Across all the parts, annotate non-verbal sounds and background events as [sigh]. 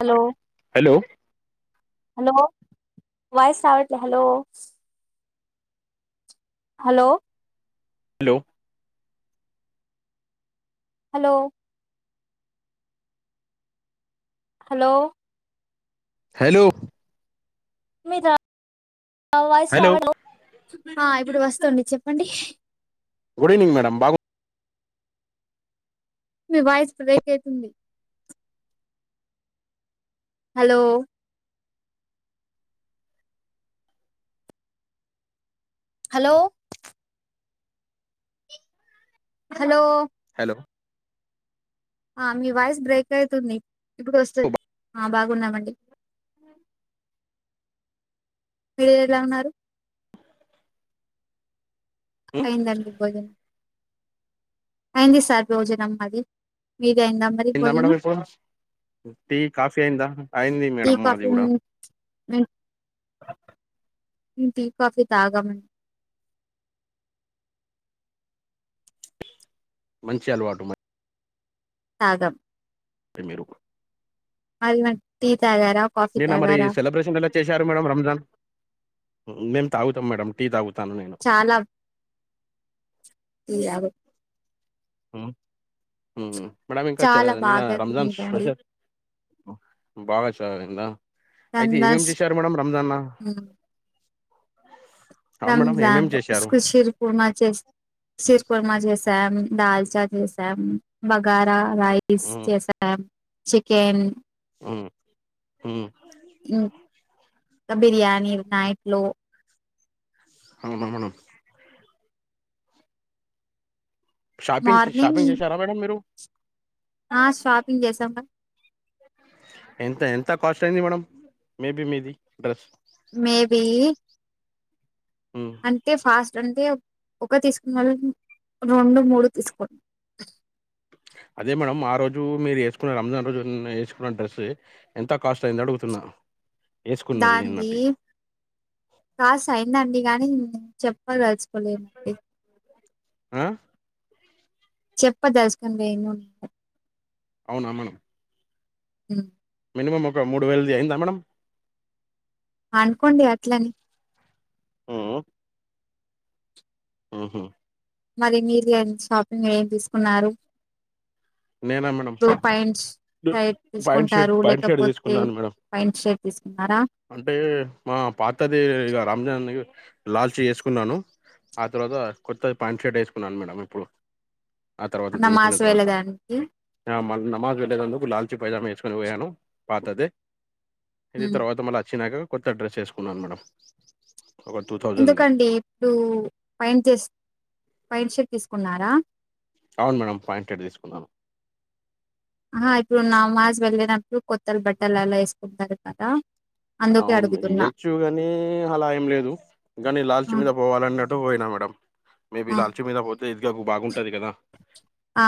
Hello hello hello voice రావట్లే hello hello hello hello hello hello మీ [inaudible] voice రా hello [inaudible] ర ఆ ఇప్పుడు వస్తుంది చెప్పండి గుడ్ ఈవినింగ్ మేడం బా మీ వాయిస్ బ్రేక్ అయితుంది హలో హలో హలో హలో ఆ మీ వాయిస్ బ్రేక్ అయితుంది ఇప్పుడు వస్తంది ఆ బాగున్నామండి [inaudible] మీరు ఎలా ఉన్నారు అయ్యింది అండి భోజనం అయింది సార్ భోజనం మాది మీది అయిందా మరి అయ్యిందా భోజనం మేడం [inaudible] టీ కాఫీ అయ్యింది మేడం మాది కూడా మేం ని టీ కాఫీ తాగమండి మంచి అలవాటు మ తాగం ఎం మీరు [unintelligible] కాఫీ నినా మరి తాగారా సెలబ్రేషన్ కలా చేశారు మేడం రంజాన్ మేము తాగుతాం మేడం టీ తాగు చాలా టీ తాగాం మ్ మేడం ఇంకా చాలా నిన బాగా రంజాన్ ఉందండి స్పెషల్ బాగా చాళ్ల అయితే రంజాన్ ఏమేం చేశారు మేడం రంజాన్న రంజాన్ చేశారు శిరు కుర్మా చేసం సిరు కుర్మా చేసాం దాల్చా చేసాం బగారా రైస్ చేసాం చికెన్ హుమ్మ్ హుమ్మ్ ఇ కా బిర్యానీ నైట్లో అవునా మేడమ్ షాపింగ్ మార్నింగ్ షాపింగ్ చేశారా మేడం మీరు ఆ షాపింగ్ చేసాం గ ఎంత ఎంత కాస్ట్ అయింది మేడం మేబి మీది డ్రెస్ మేబి అంటే ఫాస్ రంటే ఒక తీసుకున్నళ్ళు రెండు మూడు తీసుకో అదే మేడం ఆ రోజు మీరు ఎసుకున్న రంజాన్ రోజు వేసుకున్న డ్రెస్ ఎంత కాస్ట్ అయింది అడుగుతున్ న్న దంది కాస్ అయిందండి కానీ చెప్పదల్ కొలె నండి ఆ చెప్పదల్చు లేను అవునా మేడం మ్ మినిమం ఒక మూడు వేయిలది అఇందా మేడం అనుకోండి అట్లనే మ్మ్ అహ మరి మీరు షాపింగ్ లో ఏం తీసుకున్నారు నేనా మేడం టు పయింట్స్ డు- షైట్ పాయింట్ షర్ట్ తీసుకుంటారు పాయింట్ షర్ట్ లేకపోతే తీసుకున్నాను మేడం పయింట్ షర్ట్ తీసుకున్నారా అంటే మా పాతది ఇగ రాంజన్ లాల్చి వేసుకున్నాను ఆ తర్వాత కొత్తది ప్యాంట్ షర్ట్ వేసుకున్నాను మేడం ఇప్పుడు ఆ తర్వాత దించిన నమాజ్ వేళ తర్వాత దాన్ ఆ మళ్ నమాజ్ వెళ్ళేదందుకు లాల్చీ పైజామా వేసుకొని పోయాను పాతదే ఇది ఉమ్. తర్వాత మళ్ళ వచ్చినాక కొత్త డ్రెస్ వేసుకున్నాను మేడం ఒక టూ థౌజండ్ది ఎందుకండి ఇప్పుడు పైన్ చే ఫైన్ షర్ట్ తీసుకున్నారా అవును మేడం పాయింట్ షట్ తీసుకున్నాను ఆహ ఇప్పుడు నామాజ్ వెళ్ళినప్పుడు కొత్తల బట్టలు అలా వేసుకుంటారు కదా అందుకే అవును మే అడుగుతున్నా ఏయొచ్చుగాని అలా ఏం లేదు కానీ లాల్చి ఉమ్, మీద పోవాలన్నట్ ట్టు పోయినా మేడం మేబి ఉమ్, లాల్చి మీద పోతే ఇదిగకు బాగుంటది కదా ఆ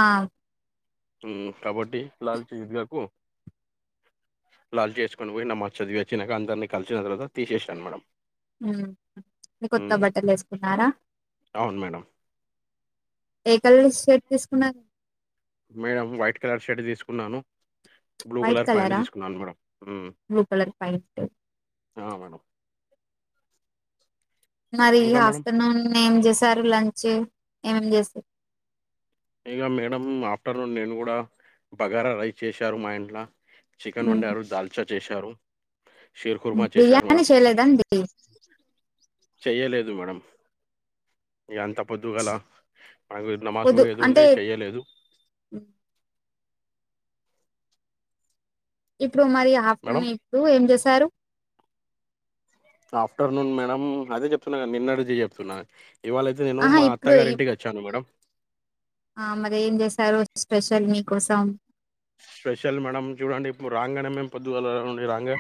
కాబట్టి లల్చీ ఇదుగాకు లల్చీ వేసుకొని పోయి నామజ్ చదివివ్ చిన్నగా అందరిని కలిసిన తర్వాత తీసేసాను మేడం ఆ హ మీ కొత్త మ్మ్ బట్టలేసుకున్నారా అవును మేడం ఏ కలస్ షర్ట్ తీసుకున్న మేడం వైట్ కలర్ షర్ట్ తీసుకున్నాను బ్లూ వైట్ కలర్ ప్యాంట్ కలరా తీసుకున్నాను మేడం మ్ బ్లూ కలర్ ప్యాంట్ ఆ మేడం మరి ఇగ ఇంకా మేడం ఆఫ్టర్ ర్నూన్ ఏం చేశారు లంచ్ ఏమేం చేస్ ఇగ మేడం ఆఫ్టర్నూన్ నేను కూడా బగారా రైస్ చేశారు మా ఇంట్ల చికెన్ వండారు దాల్చా చేశారు. షీర్ కుర్మా చేశారు బిర్యానీ మేడం చేయలేదండి, చెయ్యలేదు మేడం ఇ అంతా పొద్దు గల మనకు నమాజ్ పొద్దు ఏది అంటే ఉండే చెయలేదు, ఇప్పుడు మరి మేడం ఆఫ్టర్నూన్ ఇప్పుడు ఏం చేసారు. ఆఫ్టర్నూన్ మేడం అదే చెప్తున్నా నిన్నడిది చెప్తున్నా, ఇవాళైతే నేను ఆహా మా అత్త ఇప్పుడు గారి ఇ- ఇంటికి వచ్చాను మేడం ఆ మరి ఏం చేశారు స్పెషల్ మీ కోసం స్పెషల్ మేడం చూడండి ఇప్పుడు రాగానే మేము పొద్దుగాలం రాంగ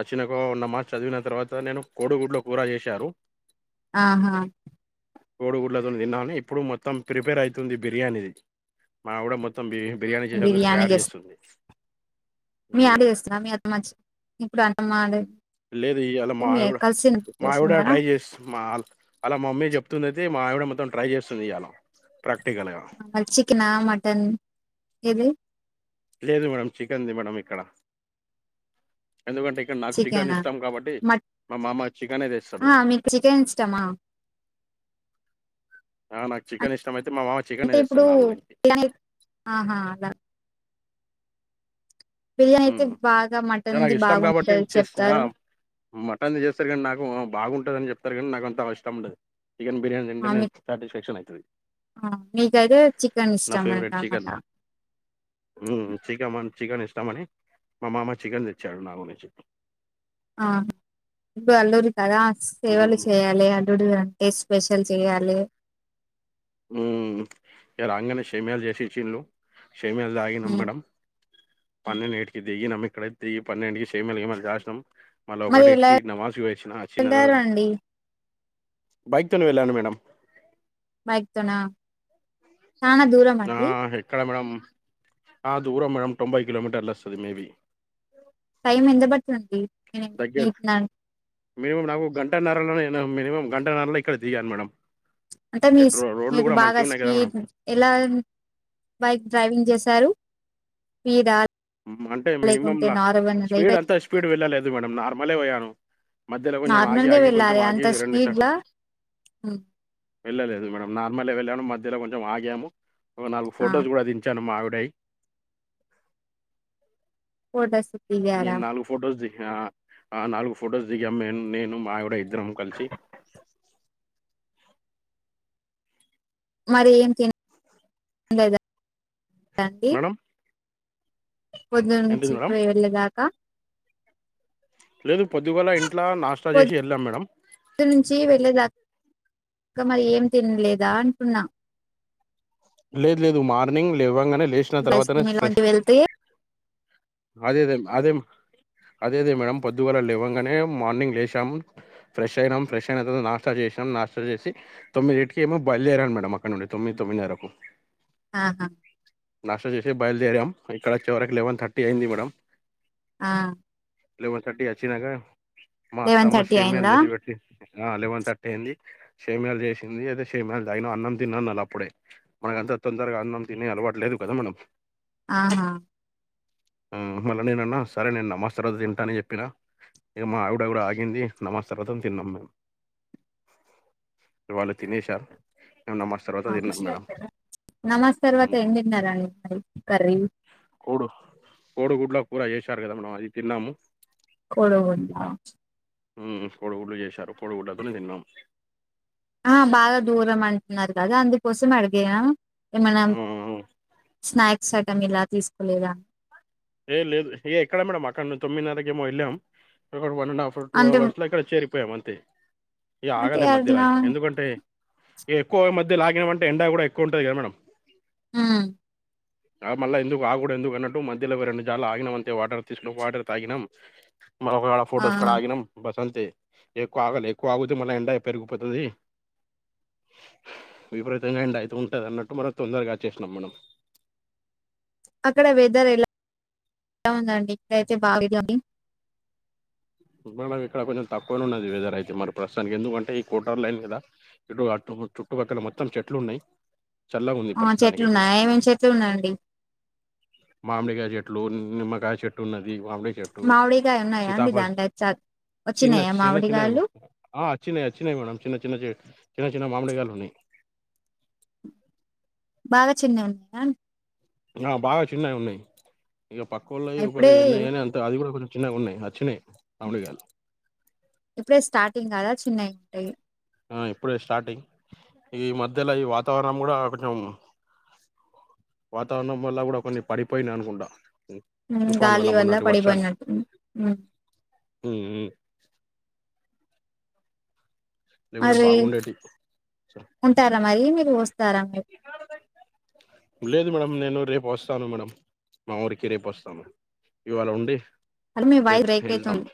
వచ్చినక నమాజ్ చదివిన తర్వాత నేను కోడుగుడ్లో కూర చేశారు, ఆహా కోడుగుడ్లతో తిన్నాని ఇప్పుడు మొత్తం ప్రిపేర్ అవుతుంది బిర్యానీది మా కూడా మొతం బిర్యానీ చేసేందుకు బిర్యానీ తయారు చేస్త చేస్తుంది. మీ మ్ ఆవిడ చేస్తాదా మీ అత్తమ్మ ఇప్పుడు అన్నమ్మ ఆడే లేదు అలా మావి మావిడ చేస్తున్నారా ట్రై చేస్త మా అలా మమ్మీ చెప్తుంది అయితే మా ఆవిడ మొత్తం ట్రై చేస్తుంది ఇయాలా ప్ర చికెనా మటన్ ఏది లేదు మేడం చికెంది మేడం ఇక్కడ ఎందుకంటే ఇక్కడ నాకు చికెన్ చికెనా ఇష్టాం కాబట్టి మట్ మా మామ్మ చికెనే ఆ, తెస్తాడు, మీకు చికెన్ [unintelligible] ఆ నాకు చికెన్ ఇష్టమై అంటే ఇప్పుడు ఆహా అలా బిర్యానీ అయితే ఉమ్ బాగా ఇగ నాకు మటన్ది బాగుంటుంది చెప్తారు, మటన్ చేస్తారు కానీ నాకు బాగుంటుదని చెప్తారు కానీ నాకు అంత ఇష్టం ఉండదు, చికెన్ బిర్యానీ ఆ, తింటనే సాటిస్ఫ్యాక్షన్ అయితది, మీకైతే చికెన్ నా ఇష్టం ఫేవరెట్ అన్నమట చికెన్ ఉమ్ చికెన్ చికెన్ ఇష్టంమని మా మామ చికెన్ తెచ్చాడు నా గురించి ఆ ఇప్పుడు అల్లుడు కదా ఉమ్ సేవలు చేయాలి అల్లుడు అంటే, స్పెషల్ చెయాలే, ఉ రాంగనే సేమియాలు చేసిచ్చీన్లు, సేమియాలు దాగినం ఉమ్ మేడం పన్నెండు ఇంటి కి దిగినం అక్కడఅయితే పన్నెంటికి సేమియాలు గిమియాలు వేసినం మళ ఒక మరి ఒకటి ఎలా ఇంటికి నమాజ కు పోయి వచ్చిన చూడు వెళ్లారు అండి బైక్ తోనే వెళ్ళాను మేడం బైక్ తోనా చానా దూరం ఆ అండి, ఎక్కడ మేడం ఆ దూరం మేడం తొంభై కిలోమీటర్ల వస్తది మేబి టైం ఎంత పడుతుందండి ఇటునుండి మినిమం నాకు గంటన్నరలో మినిమం గంటన్నరలో ఇక్కడ దిగాను మేడం అంటే మీ ఇటు రో- రోడ్లు మీకు కూడా బాగా మంచిగా ఉన్నాయి కదా మేడం స్పీడ్ ఎలా బైక్ డ్రైవింగ్ చేశారు, స్పీడా అంటే లేకుంటే మినిమంలా నార్మల్ స్పీడ్ అంతా స్పీడ్ వెళ్ళలేదు మేడం నార్మలే పోయాను, మధ్యలో కొంచెం ఆగి నార్మల్గా ఆగి కొంచం వెళ్ళాలి ఆగి అంత రెండు స్పీడ్ చష లా వెళ్ళలేదు మేడం నార్మల్ వెళ్ళాను మధ్యలో కొంచెం ఆగాము ఒక నాలుగు ఆ ఫొటోస్ కూడా దించాను మావి డై ఫొటోస్ నేను నాలుగు ఫోటోస్ ది ఆ ఆ నాలుగు ఫొటోస్ దిగాం మే నేను మాఆవిడా ఇద్దరం కలిసి, [unintelligible] మరి ఏం తినలేదాండి, మేడం పొద్దు నుంచి ఏంటిది మేడం పోయి వెళ్ళదాకా, లేదు పొద్దుగోల ఇంట్లా నాష్టా చేసి పొద్దు వెళ్ళాము మేడం ఇక మరి ఏం తినలేదా అంటున్నా లేదు లేదు మార్నింగ్ లే ఇవ్వంగానే లేచిన ఐస్ తర్వాతనే క్రీమ్ ఇలా ఫ్రెష్ కొంచెం వెళ్తే అదేదే అదే అదే అదే మేడం పొద్దువాేల లేవ్వగానే మార్నింగ్ లేసాం ఫ్రెష్ అయినాం ఫ్రెష్ అయిన త నాష్టా చేసాం నాష్టా చేసి తొమ్మిదిటుకి ఏమో బయలుదేరాను మేడం అక్క నుడి తొమ్మిది తమనా రక్కు ఆాహా నాష్ట చేససి బయలుదేరాం ఇక్కడ వ చిేవరకు లెవెన్ థర్టీ అయింది మేడం ఆ లెవెన్ థర్టీ వచ్చినాక మా లెవెన్ అత్తమ్మా థర్టీ సషేమలు అయిందా చేసి పెట్టి ఆ అలెవెన్ థర్టీ అయింది షేమయాలు చేసింది అయితే షేమయాలు తగిన అన్నం తిన్నానుళ్ అప్పుడే మనక అంతా తొందరగా అన్నం తిని అలవట్లేదు కదా మనం ఆహా మళ్ళా నేనన్నా సరేనే అన్న మాస్తర్ అ తంటా అని చెప్పిన ఇక మా ఆవిడ కూడా ఆగింది నమజ తర్వాతం తిన్నాం మేము వాళ్ళు తినసారు మేన్న మ తర్వాత తిన్నాం మేడం నమస్ తర్వాత ఏం తిన్నారడి మరి కర్రీ కోడుగుడ్లో కూడా చేశారు కదా మనం అది తిన్నాము కొవుంద కొడుగుళ్డ్ళలు చేశారు కొడుగుళ్డ్లతోని తిన్నాం ఆ బాగా దూరం అంటున్నారు కదా అందుకోసం అడిగాను ఏమనా స్నాక్స్ ఐటమ్ ఇలా తీసుకోలేదా ఏ లేదు ఏ ఎక్కడ మేడమ్ అక్కడ ను తొమ్మిదిన్నరకి ఏమో వెళ్ళాం వన్ అండ్ హాఫ్ టూ అంటే అవర్స్ లో ఇక్కడ చేరిపోయాం అంతే ఇ అంటే ఆగలి మధ్యలో అట్లా ఎందుకంటే ఎక్కువ మధ్య అ లాగిన అంటే ఎండా కూడా ఎక్కువ ఉంటది కదా మేడం హ ఆ మళ్ళ ఎందుకు ఆ కూడాడ ఎందుకు అన్నట్టు మంచి రెండు జ ఆగినం అంతే వాటర్ తీసుకు వాటర్ తాగినం మరొకవేళ ఆ. ఫొటోస్ కూడా ఆగినం బస్ అంత ఎక్కువ ఆగలి ఎక్కువ ఆగుతే మళ్ళ ఎంండ పెరిగిపోతుది విపరీతంగా అండి అయితు ఉంటంది అన్నట్టు మన తొందరగా చేసినాం మనం అక్కడ వెదర్ ఎలా ఎ ఉందండి ఇక్కడైతే బా మేడం ఇక్కడ కొంచెం తక్కువనే ఉన్నది వెజర్ అయితే మరి ప్రస్తుతానికి ఎందుకంటే ఈ కోటార్ లైన్ కదా ఇటు కటు చుట్టుపక్కల మొత్తం చెట్లు ఉన్నాయి చల్లగా ఉంది ఆ ప్రస్తుతానిక చెట్లు అయితే ఉన్నాయా ఏమేమి చెట్లు ఉన్నాయండి మామిడిగా చెట్టు నిమ్మకాయ చెట్టు ఉన్నది మామిడికాయ చెట్టు మామిడికాయ ఉన్నాయా అండి సితాఫర్ దాంట్లో చ చిన్న వచ్చినాయా చిన్న మామిడికాయలు చిన్నచ్చియి అచ్చిన్నా మేడం చిన్న చిన్న చి చిన్న చిన్న మామిడిగాలు ఉన్నాయి బాగా చిన్నవి ఉన్నాయా ఆ బాగా చిన్నవి ఉన్నాయి ఇక పక్క వాళ్ళయి ఒకళ ఇప్పుడే ఎ అంత అది కూడా కొంచ చిన్న ఉన్నాయి అచ్చినాయ్ ఇప్పుడే స్టార్టింగ్ కదా చిన్నవి ఉంటాయి ఆ ఇప్పుడే స్టార్టింగ్ ఈ మధ్యలో ఈ వాతావరణం కూడా కొంచెం వాతావరణం వల్ల కూడా కొన్ని పడిపోయినాయి అనుకుంటా ఉమ్, తుఫాను వల్ల గాలి మొన్నటి వర్షానికి పడిపోయినట్టు ఉమ్, లేకుంటే అరే బాగుండేటి ఉంటారా మరి మీరు వస్తారా మరి లేదు మేడమ్ నేను రేపు వస్తాను మేడం మా ఊరికి రేపు వస్తాను ఇవాళ ఉండి హలో మీ వాయిస్ రేపు బ్రేక్ వెళ్తాం అయితాంది.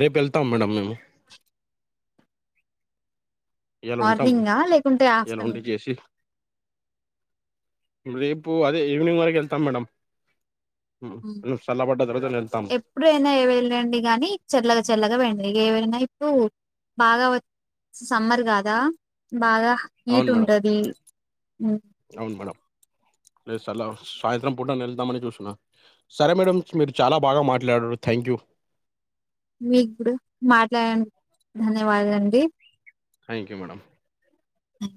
రేపెళ్తాం మేడం మేము ఈయాల ఉంటాం. మార్నింగా లేకుంటే ఈయాల ఉండి ఆఫ్టర్నూన్ చేసి, రేపు అదే ఈవినింగ్ వరకు ఎళ్తాం మేడం. మ్ ఉమ్, నువ్ సళ్ళబడ్డద ఎప్పుడైనా ఏ వెళ్ళండి గానీ చల్లగా చల్లగా పోయండి ఇగ ఏవైనా ఇప్పు బాగా వ సమ్మర్ కాదా బాగా అవును హీట్ మేడం ఉంటది. మ్ రే సరళ సాయంత్రం పూటన ఎళ్దామని చూస్తున్నా సరే మేడమ్ మీరు చాలా బాగ మాట్లాడరు థ్యాంక్ యూ. మీకుడ మాట్లాడన్ ధన్యవాదాలండి. Thank you madam. అ